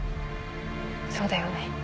そうだよね。